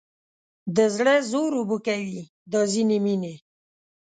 د زړه زور اوبه کوي دا ځینې مینې